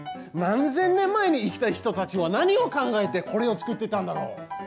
何千年前に生きた人たちは何を考えてこれを作っていたんだろう？